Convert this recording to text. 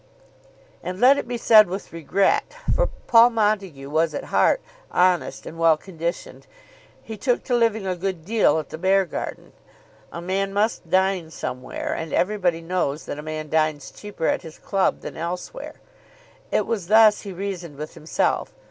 And, let it be said with regret, for Paul Montague was at heart honest and well conditioned, he took to living a good deal at the Beargarden. A man must dine somewhere, and everybody knows that a man dines cheaper at his club than elsewhere. It was thus he reasoned with himself.